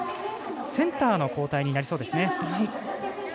センターの交代になりそうです。